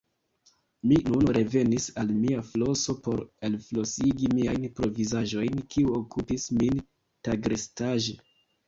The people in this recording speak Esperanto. Mi nun revenis al mia floso por elflosigi miajn provizaĵojn, kiu okupis min tagrestaĵe.